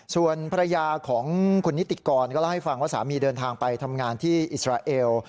ส่วนภรรยาของคุณนิติกรก็เล่าให้ฟังว่าสามีเดินทางไปทำงานที่อิสราเอล